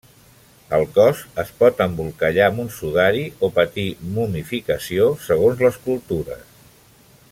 El cos es pot embolcallar amb un sudari o patir momificació segons les cultures.